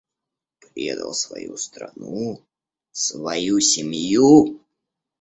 Предал свою страну, свою семью?